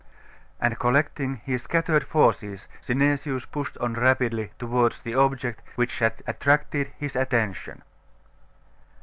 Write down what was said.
And collecting his scattered forces, Synesius pushed on rapidly towards the object which had attracted his attention.